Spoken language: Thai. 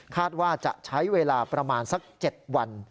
ว่าจะใช้เวลาประมาณสัก๗วัน